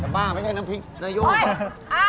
ชะบ้าไม่ใช่น้ำพริกนายุ